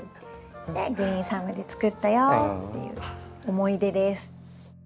で「グリーンサム」で作ったよっていう思い出です。